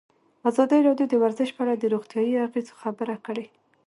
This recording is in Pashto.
ازادي راډیو د ورزش په اړه د روغتیایي اغېزو خبره کړې.